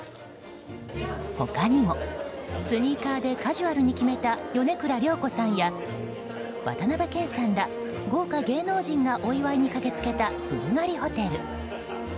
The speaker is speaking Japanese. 他にも、スニーカーでカジュアルに決めた米倉涼子さんや渡辺謙さんら豪華芸能人がお祝いに駆けつけたブルガリホテル。